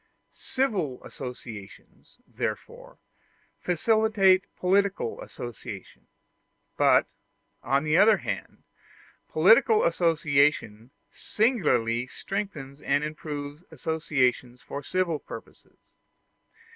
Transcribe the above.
Civil associations, therefore, facilitate political association: but, on the other hand, political association singularly strengthens and improves associations for civil purposes.